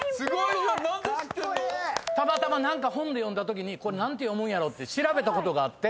たまたま本で読んだときにこれ何て読むんやろ？って調べたことがあって。